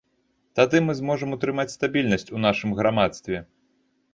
Тады мы зможам утрымаць стабільнасць у нашым грамадстве.